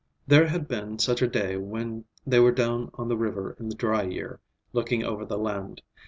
There had been such a day when they were down on the river in the dry year, looking over the land.